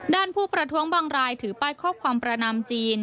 ผู้ประท้วงบางรายถือป้ายข้อความประนามจีน